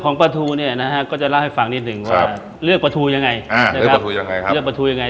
ของปลาทูก็จะเลือกให้ฝากเลือกปลาทูยังไง